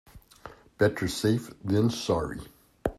Better safe than sorry.